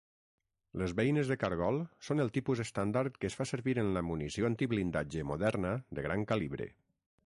Les beines de cargol són el tipus estàndard que es fa servir en la munició antiblindatge moderna de gran calibre.